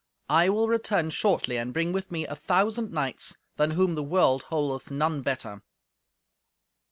I will return shortly, and bring with me a thousand knights, than whom the world holdeth none better."